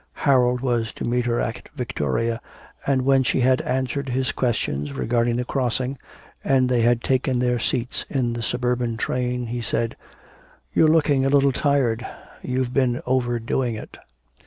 Harold was to meet her at Victoria, and when she had answered his questions regarding the crossing, and they had taken their seats in the suburban train, he said: 'You're looking a little tired, you've been over doing it.'